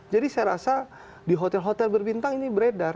jadi saya rasa di hotel hotel berbintang ini beredar